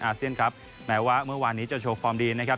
อาเซียนครับแม้ว่าเมื่อวานนี้จะโชว์ฟอร์มดีนะครับ